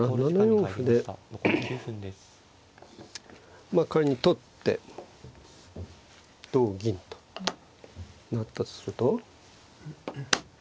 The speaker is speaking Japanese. ７四歩で仮に取って同銀となったとすると。